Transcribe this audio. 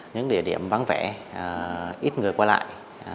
những địa điểm vắng vẻ ít người qua lại